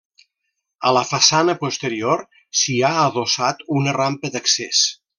A la façana posterior s'hi ha adossat una rampa d'accés.